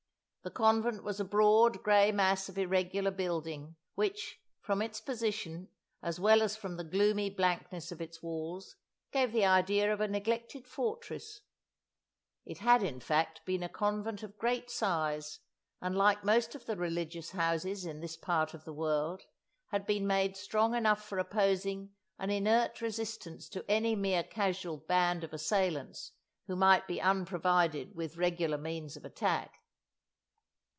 The convent was a broad, grey mass of irregular building, which, from its position, as well as from the gloomy blankness of its walls, gave the idea of a neglected fortress; it had, in fact, been a convent of great size, and like most of the religious houses in this part of the world, had been made strong enough for opposing an inert resistance to any mere casual band of assailants who might be unprovided with regular means of attack.